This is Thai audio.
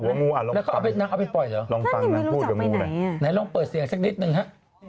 กลัวงูกัดจังเลยล่ะแล้วเอาไปปล่อยเหรอลองเปิดเสียงสักนิดนึงฮะ